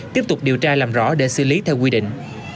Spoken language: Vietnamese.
tiếp tục điều tra làm rõ để xử lý theo quy định